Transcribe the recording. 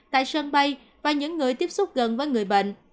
tại sân bay và những người tiếp xúc gần với người bệnh